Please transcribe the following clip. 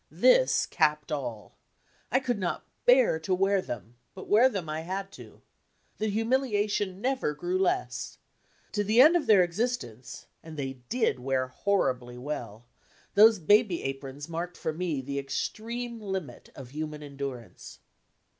This capped all! I could not bear to wear them, but wear them I had to. The humiliation never grew less. To the end of their existence, and they did wear horribly well, those "baby" aprons marked for me the extreme limit of human endurance.